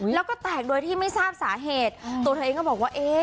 แล้วก็แตกโดยที่ไม่ทราบสาเหตุตัวเธอเองก็บอกว่าเอ๊ะ